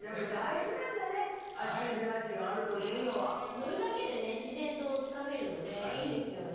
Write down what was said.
乗るだけで自然とつかめるのでいいですよね。